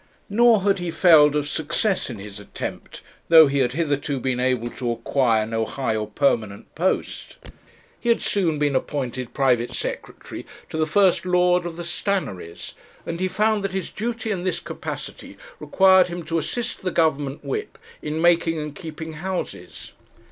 Nor had he failed of success in his attempt, though he had hitherto been able to acquire no high or permanent post. He had soon been appointed private secretary to the First Lord of the Stannaries, and he found that his duty in this capacity required him to assist the Government whip in making and keeping houses.